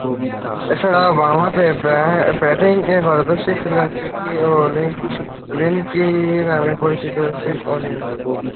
এছাড়াও, বামহাতে ব্যাটিংয়ে পারদর্শী ছিলেন সিডনি ও’লিনস্কি নামে পরিচিত সিড ও’লিন।